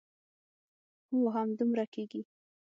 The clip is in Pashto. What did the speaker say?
هو همدومره کېږي.